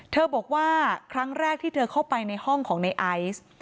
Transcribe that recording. บอกว่าครั้งแรกที่เธอเข้าไปในห้องของในไอซ์